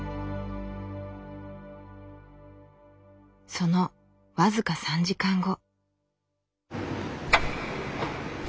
その僅か３時間後。